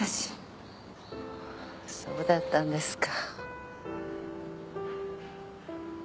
そうだったんですか。